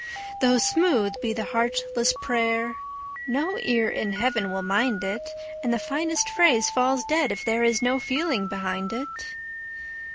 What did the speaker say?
Though smooth be the heartless prayer, no ear in Heaven will mind it, And the finest phrase falls dead if there is no feeling behind it.